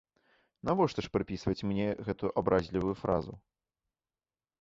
Навошта ж прыпісваць мне гэту абразлівую фразу?